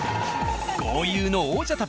豪遊の王者旅。